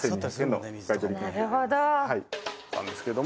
なるほど。